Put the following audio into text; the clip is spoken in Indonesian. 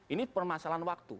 ini permasalahan waktu